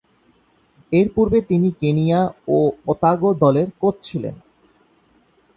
এরপূর্বে তিনি কেনিয়া এবং ওতাগো দলের কোচ ছিলেন।